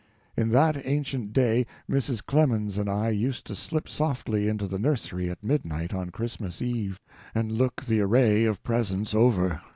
In that ancient day Mrs. Clemens and I used to slip softly into the nursery at midnight on Christmas Eve and look the array of presents over.